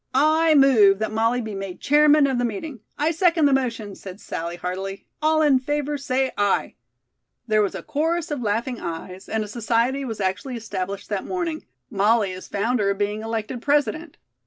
I move that Molly be made chairman of the meeting." "I second the motion," said Sallie heartily. "All in favor say 'aye.'" There was a chorus of laughing "ayes" and a society was actually established that morning, Molly, as founder, being elected President.